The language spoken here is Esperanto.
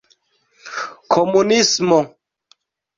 komunismo